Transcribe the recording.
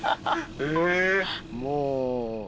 もう。